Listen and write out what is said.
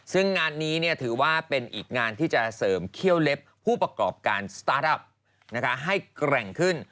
ซึ่งงานนี้ถือว่าเป็นอีกงานที่จะเสริมเขี้ยวเล็บผู้ประกอบการสตาร์ทอัพให้แกร่งขึ้น